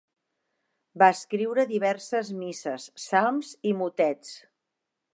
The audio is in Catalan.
Va escriure diverses misses, salms i motets.